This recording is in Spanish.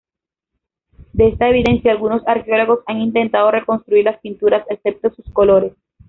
De esta evidencia, algunos arqueólogos han intentado reconstruir las pinturas, excepto sus colores.